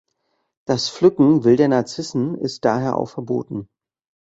Das Pflücken wilder Narzissen ist daher auch verboten.